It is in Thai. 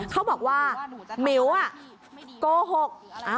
เขาบอกว่าหมิวโกหก